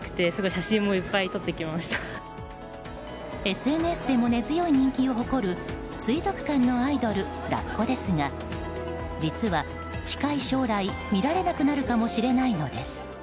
ＳＮＳでも根強い人気を誇る水族館のアイドル、ラッコですが実は近い将来見られなくなるかもしれないのです。